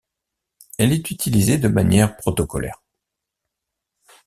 Elle est utilisée de manière protocolaire.